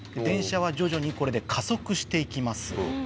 電車は徐々にこれで加速して行きます。